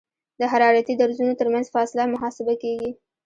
د حرارتي درزونو ترمنځ فاصله محاسبه کیږي